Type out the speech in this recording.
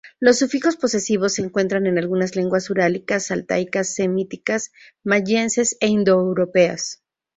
Los sufijos posesivos se encuentran en algunas lenguas urálicas, altaicas, semíticas, mayenses e indoeuropeas.